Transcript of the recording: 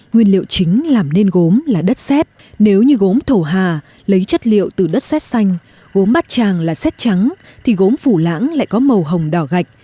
nguyên liệu chính làm nên gốm là đất xét nếu như gốm thổ hà lấy chất liệu từ đất xét xanh gốm bát tràng là xét trắng thì gốm phủ lãng lại có màu hồng đỏ gạch